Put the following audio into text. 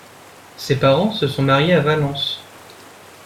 Ses parents se sont mariés le à Valence.